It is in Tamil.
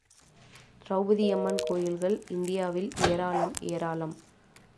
திரெளபதியம்மன் கோயில்கள் இந்தியாவில் ஏராளம் ஏராளம்.